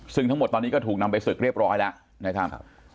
ซึ่งทั้งหมดตอนนี้ก็ถูกนำไปศึกเรียบร้อยแล้วนะครับ